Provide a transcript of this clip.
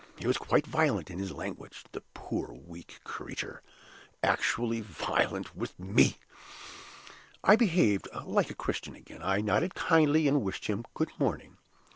He was quite violent in his language the poor weak creature actually violent with me! I behaved like a Christian again; I nodded kindly, and wished him good morning.